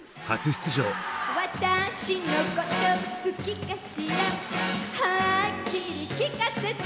「私のこと好きかしらはっきりきかせて」